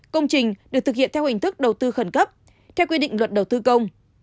công trình được thực hiện theo hình thức đầu tư khẩn cấp theo quy định luật đầu tư công